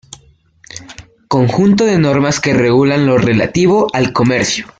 Conjunto de normas que regulan lo relativo al comercio.